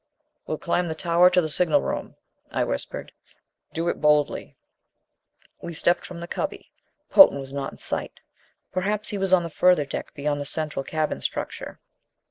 "We'll climb the tower to the signal room," I whispered. "Do it boldly." We stepped from the cubby. Potan was not in sight; perhaps he was on the further deck beyond the central cabin structure.